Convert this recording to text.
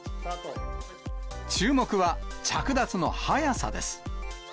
注目は、着脱の早さです。